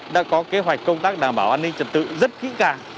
đã có kế hoạch công tác đảm bảo an ninh trật tự rất kỹ càng